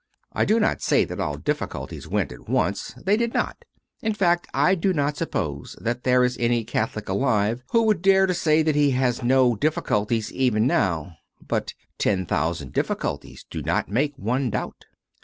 I do not say that all difficulties went at once. They did not. In fact, I do not suppose that there is any Catholic alive who would dare to say that he has no difficulties even now; but "ten thousand difficulties do not make one doubt."